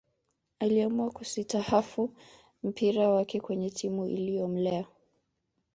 Aliamua kusitahafu mpira wake kwenye timu iliyomlea